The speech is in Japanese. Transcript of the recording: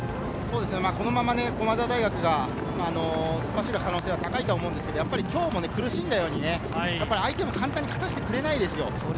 このまま駒澤大学が突っ走る可能性が高いと思うんですけれど、今日も苦しんだように、相手も簡単に勝たせてくれないですよ。